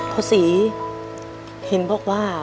พ่อศรีเห็นบอกว่า